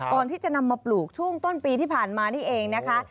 ก่อนที่จะนำมาปลูกช่วงต้นปีที่ผ่านมานี่เองนะคะ